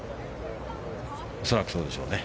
恐らくそうでしょうね。